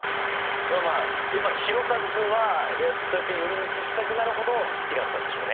まあまあやっぱりひろかず君はそうやって寄り道したくなるほど好きだったんでしょうね。